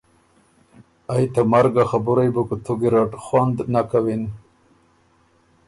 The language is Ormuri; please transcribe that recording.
ائ ته مرګ ا خبُرئ بُو کُوتُو ګیرډ خوند نک کوِن۔